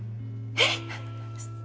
えっ！？